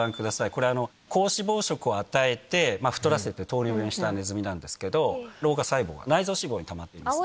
これ、高脂肪食を与えて、太らせて糖尿病にしたネズミなんですけど、老化細胞が、内臓脂肪にたまってるんです。